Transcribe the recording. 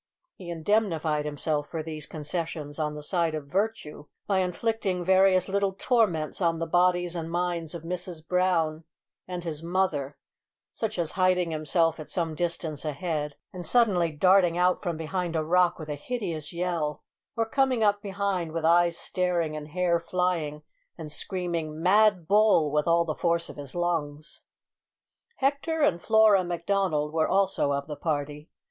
He indemnified himself for these concessions on the side of virtue by inflicting various little torments on the bodies and minds of Mrs Brown and his mother, such as hiding himself at some distance ahead, and suddenly darting out from behind a rock with a hideous yell; or coming up behind with eyes staring and hair flying, and screaming "mad bull," with all the force of his lungs. Hector and Flora Macdonald were also of the party.